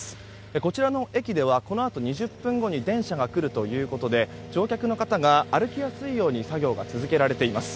こちらの駅ではこのあと２０分後に電車が来るということで乗客の方が歩きやすいように作業が続けられています。